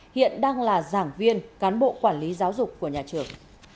hiện đang là giảng viên cán bộ quản lý giáo dục của nhà trường